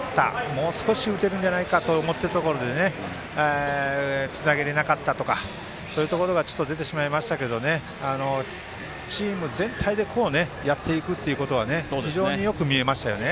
もう少し打てるんじゃないかと思ったところでつなげられなかったとかそういうところがちょっと出てしまいましたけどチーム全体でやっていくということは非常によく見えましたよね。